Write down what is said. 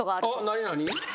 何何？